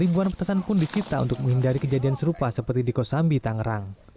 ribuan petesan pun disipta untuk menghindari kejadian serupa seperti di kosambi tangerang